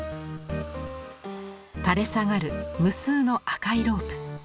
垂れ下がる無数の赤いロープ。